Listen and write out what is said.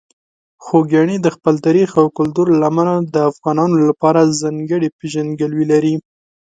خوږیاڼي د خپل تاریخ او کلتور له امله د افغانانو لپاره ځانګړې پېژندګلوي لري.